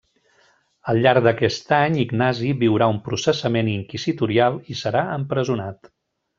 Al llarg d'aquest any Ignasi viurà un processament inquisitorial i serà empresonat.